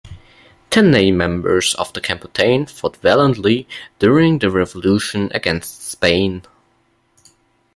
Tanay members of the Katipunan fought valiantly during the Revolution against Spain.